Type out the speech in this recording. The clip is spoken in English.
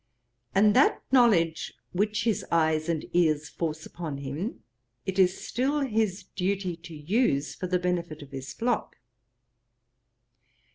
And that knowledge which his eyes and ears force upon him it is still his duty to use, for the benefit of his flock.